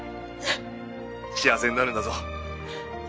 幸せになるんだぞ。